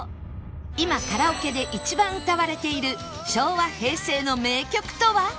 今カラオケで一番歌われている昭和・平成の名曲とは？